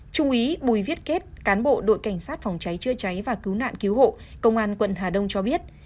trung úy bùi viết kết cán bộ đội cảnh sát phòng cháy chữa cháy và cứu nạn cứu hộ công an quận hà đông cho biết